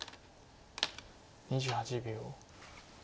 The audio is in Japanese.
２８秒。